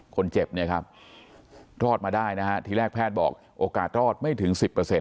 คนเจ็บเนี่ยครับรอดมาได้นะฮะทีแรกแพทย์บอกโอกาสรอดไม่ถึง๑๐